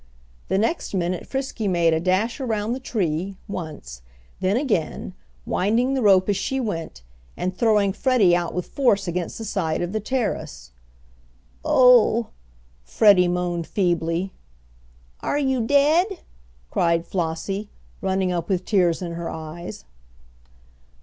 The next minute Frisky made a dash around the tree, once, then again, winding the rope as she went, and throwing Freddie out with force against the side of the terrace. "Oh," Freddie moaned feebly. "Are you dead?" cried Flossie, running up with tears in her eyes.